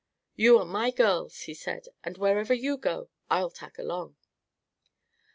"You are my girls," he said, "and wherever you go, I'll tag along."